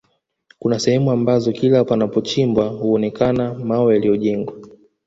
Kuna sehemu ambazo kila panapochimbwa huonekana mawe yaliyojengwa